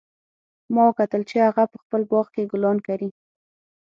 ما وکتل چې هغه په خپل باغ کې ګلان کري